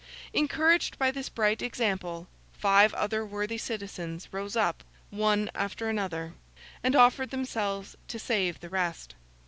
Encouraged by this bright example, five other worthy citizens rose up one after another, and offered themselves to save the rest.